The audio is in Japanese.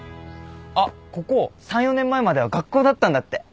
あっここ３４年前までは学校だったんだって。